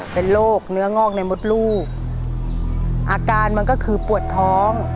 เป็นโรคเนื้องอกในมดลูกอาการมันก็คือปวดท้อง